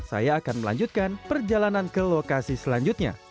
saya akan melanjutkan perjalanan ke lokasi selanjutnya